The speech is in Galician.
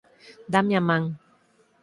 Dáme a man.